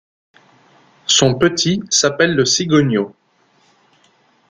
Son petit s’appelle le cigogneau.